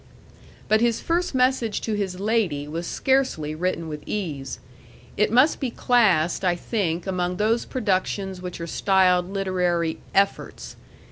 But his first message to his lady was scarcely written with ease. It must be classed, I think, among those productions which are styled literary EFFORTS.